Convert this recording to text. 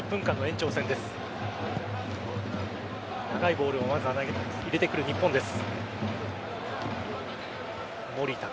長いボールを入れてくる日本です。